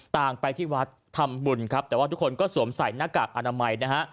ต่างไปที่วัดทำบุญครับแต่ว่าทุกคนก็สวมใส่หน้ากากอนามัยนะฮะ